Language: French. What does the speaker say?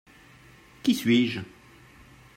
Qui suis-je ?